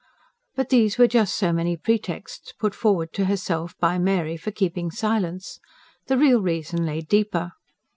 But these were just so many pretexts put forward to herself by Mary for keeping silence; the real reason lay deeper.